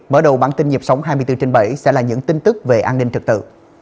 mở đầu bản tin nhịp sống hai mươi bốn trên bảy sẽ là những tin tức về an ninh trật tự